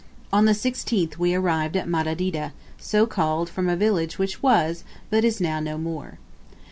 On the 16th we arrived at Madedita, so called from a village which was, but is now no more.